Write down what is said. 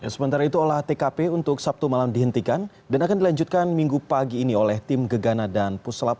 sementara itu olah tkp untuk sabtu malam dihentikan dan akan dilanjutkan minggu pagi ini oleh tim gegana dan puslap